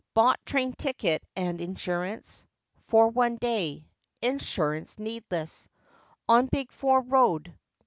Bought train ticket, and insurance For one day. Insurance needless On "Big Four" road.